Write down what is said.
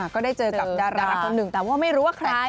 ก็ได้เจอกับดาราคนหนึ่งแต่ว่าไม่รู้ว่าใคร